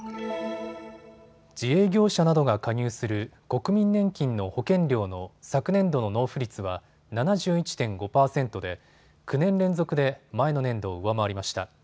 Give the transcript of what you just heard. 自営業者などが加入する国民年金の保険料の昨年度の納付率は７１．５％で９年連続で前の年度を上回りました。